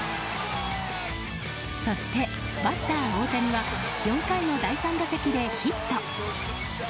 そして、バッター大谷は４回の第３打席でヒット。